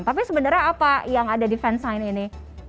tapi sebenarnya apa yang ada di fansign ini